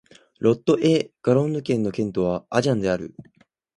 ロット＝エ＝ガロンヌ県の県都はアジャンである